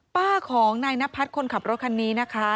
ป้าของนายนพัฒน์คนขับรถคันนี้นะคะ